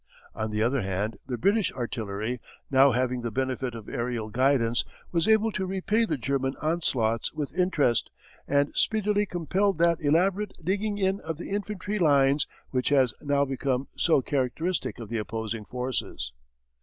On the other hand, the British artillery, now having the benefit of aerial guidance, was able to repay the German onslaughts with interest, and speedily compelled that elaborate digging in of the infantry lines which has now become so characteristic of the opposing forces.